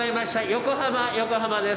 横浜横浜です。